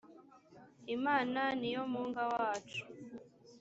imana niyo munga wacu.